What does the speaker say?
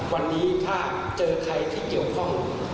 วันนี้ถ้าเจอใครที่เกี่ยวข้อง